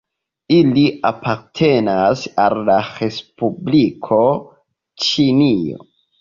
Ili apartenas al la Respubliko Ĉinio.